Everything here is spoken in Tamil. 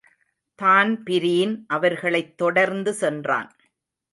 தான்பிரீன் அவர்களைத் தொடர்ந்து சென்றான்.